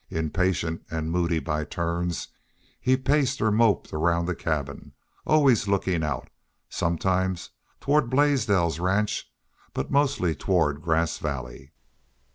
Impatient and moody by turns, he paced or moped around the cabin, always looking out, sometimes toward Blaisdell's ranch, but mostly toward Grass Valley.